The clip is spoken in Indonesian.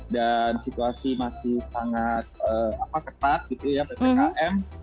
dan situasi masih sangat ketat gitu ya pt km